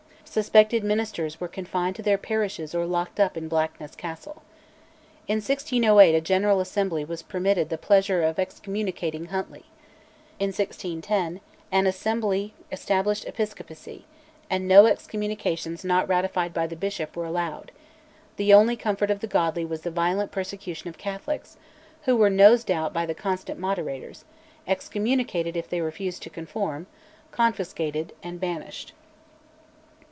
Suspected ministers were confined to their parishes or locked up in Blackness Castle. In 1608 a General Assembly was permitted the pleasure of excommunicating Huntly. In 1610 an Assembly established Episcopacy, and no excommunications not ratified by the Bishop were allowed: the only comfort of the godly was the violent persecution of Catholics, who were nosed out by the "constant Moderators," excommunicated if they refused to conform, confiscated, and banished.